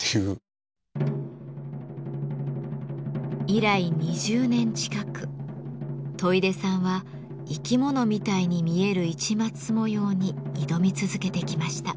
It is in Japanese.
以来２０年近く戸出さんは「生き物みたいに見える市松模様」に挑み続けてきました。